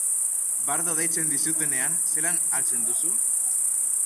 Bardo deitzen dizutenean, zelan hartzen duzu?